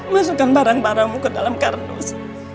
masukkan barang baramu ke dalam karnus